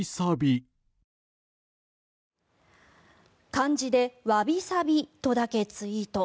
漢字でわびさびとだけツイート。